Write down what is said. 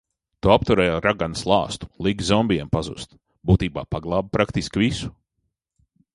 Tu apturēji raganas lāstu, un liki zombijiem pazust, būtībā paglābi praktiski visu!